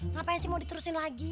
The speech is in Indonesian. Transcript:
ngapain sih mau diterusin lagi